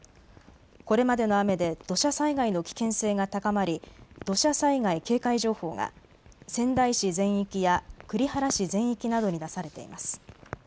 これまでの雨で土砂災害の危険性が高まり土砂災害警戒情報が仙台市全域や栗原市全域などに出されています。